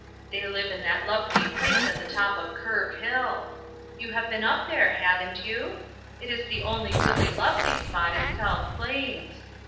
They live in that lovely place at the top of Curve Hill. You have been up there, haven't you ? It is the only really lovely spot in South Plains.